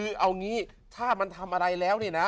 คือเอางี้ถ้ามันทำอะไรแล้วเนี่ยนะ